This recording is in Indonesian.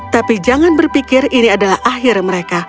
tapi jangan berpikir ini adalah akhir mereka